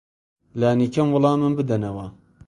لانی کەم وەڵامم بدەنەوە.